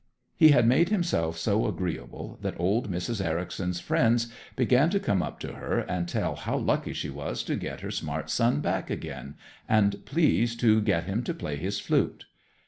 He had made himself so agreeable that old Mrs. Ericson's friends began to come up to her and tell how lucky she was to get her smart son back again, and please to get him to play his flute.